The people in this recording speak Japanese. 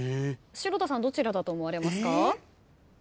城田さんどちらだと思われますか？